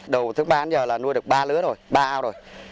đầu thức ban giờ là nuôi được ba lứa rồi ba ao rồi